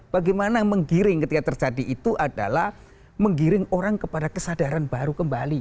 bagaimana menggiring ketika terjadi itu adalah menggiring orang kepada kesadaran baru kembali